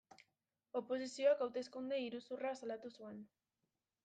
Oposizioak hauteskunde iruzurra salatu zuen.